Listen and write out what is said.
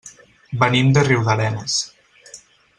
Venim de Riudarenes.